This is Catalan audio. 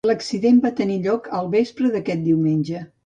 L'accident va tenir lloc al vespre d'aquest diumenge.